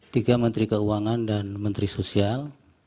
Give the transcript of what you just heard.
tiga menteri keuangan dan menteri sosial